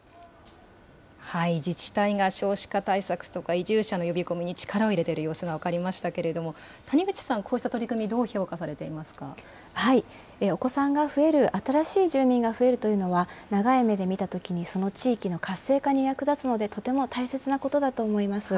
自治体が少子化対策とか移住者の呼び込みに力を入れている様子が分かりましたけれども、谷口さん、こうした取り組み、どう評お子さんが増える、新しい住民が増えるというのは、長い目で見たときに、その地域の活性化に役立つので、とても大切なことだと思います。